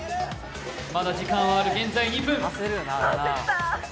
まだ時間はある、現在２分。